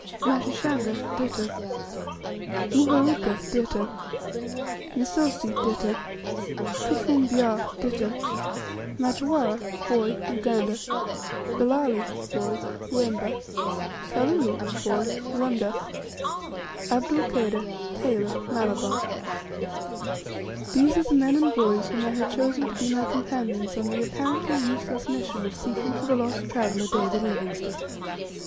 47. Mashishanga, ditto. 48. Muheruka, ditto. 49. Missossi, ditto. 50. Tufum Byah, ditto. 51. Majwara (boy), Uganda. 52. Belali (boy), Uemba. 53. Kalulu (boy), Lunda. 54. Abdul Kader (tailor), Malabar. These are the men and boys whom I had chosen to be my companions on the apparently useless mission of seeking for the lost traveller, David Livingstone.